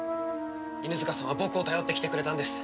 犬塚さんは僕を頼って来てくれたんです。